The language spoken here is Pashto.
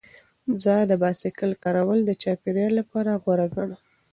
زه د بایسکل کارول د چاپیریال لپاره غوره ګڼم.